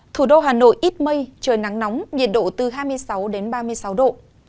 thủ đô hà nội ít mây trời nắng nóng nhiệt độ từ hai mươi sáu ba mươi sáu độ